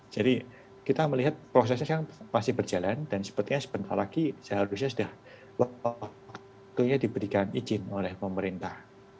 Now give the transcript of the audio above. jadi kita melihat prosesnya kan masih berjalan dan sepertinya sebentar lagi seharusnya sudah waktunya diberikan izin oleh pemerintah